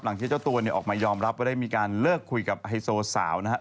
หลังที่เจ้าตัวออกมายอมรับว่าได้มีการเลิกคุยกับไฮโซสาวนะฮะ